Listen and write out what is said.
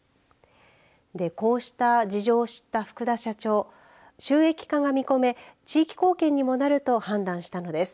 こうした事情を知った福田社長収益化が見込め地域貢献にもなると判断したのです。